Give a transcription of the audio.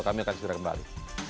kami akan segera kembali